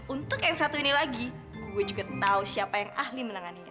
untuk yang satu ini lagi gue juga tahu siapa yang ahli menanganinya